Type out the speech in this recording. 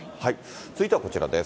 続いてはこちらです。